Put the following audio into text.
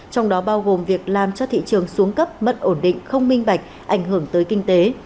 trong đó bao gồm việc làm cho thị trường xuống cấp mất ổn định không minh bạch ảnh hưởng tới kinh tế